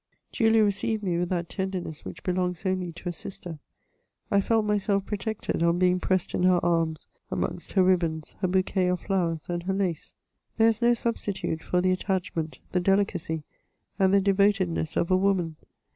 Julia received me with that tenderness which belongs only to a sister. I felt myself protected on being pressed in her arms, amongst her ribbons, her bouqnei of flowers and her koe. There is no substitute for the attachment, the delicacy, and the devotedness of a woman.